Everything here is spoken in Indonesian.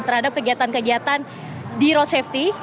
terhadap kegiatan kegiatan di road safety